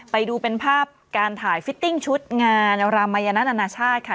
ไปดูเป็นภาพการถ่ายฟิตติ้งชุดงานรามัยนัทอนาชาติค่ะ